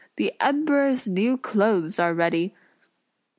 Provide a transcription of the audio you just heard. "The Emperor's new clothes are ready!"